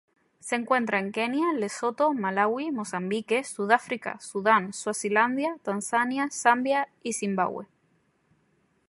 Se encuentra en Kenia, Lesoto, Malaui, Mozambique, Sudáfrica, Sudán, Suazilandia, Tanzania, Zambia, y Zimbabue.